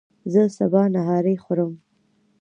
زه سبا نهاری خورم